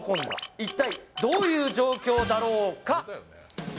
一体どういう状況だろうか。